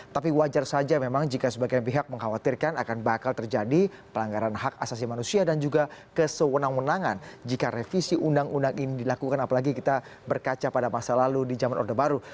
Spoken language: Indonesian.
tapi wajar saja memang jika sebagian pihak mengkhawatirkan akan bakal terjadi pelanggaran hak asasi manusia dan juga kesewenang wenangan jika revisi undang undang ini dilakukan apalagi kita berkaca pada masa lalu di jaman orde baru